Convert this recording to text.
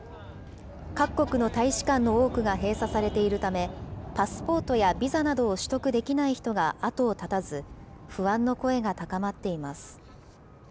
各国の大使館の多くが閉鎖されているため、パスポートやビザなどを取得できない人が後を絶たず、不安の声が高まっています。